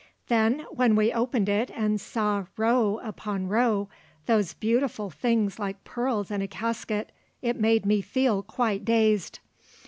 Then when we opened it and saw, row upon row, those beautiful things like pearls in a casket it made me feel quite dazed.